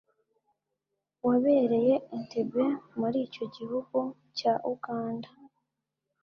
wabereye Entebbe muri icyo gihugu cya Uganda